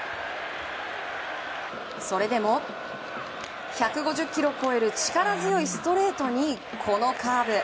それでも、１５０キロを超える力強いストレートにこのカーブ。